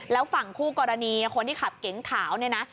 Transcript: แล้วฝั่งคู่กรณีคนที่ขับเก๋งขาวเนี่ยนะ